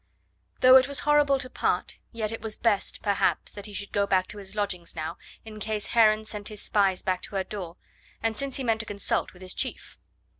Though it was horrible to part, yet it was best, perhaps, that he should go back to his lodgings now, in case Heron sent his spies back to her door, and since he meant to consult with his chief.